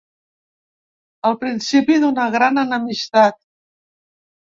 El principi d'una gran enemistat.